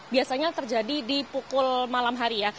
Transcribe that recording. biasanya terjadi di pukul malam hari ya